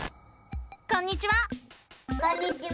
こんにちは！